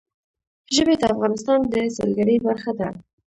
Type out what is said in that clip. ژبې د افغانستان د سیلګرۍ برخه ده.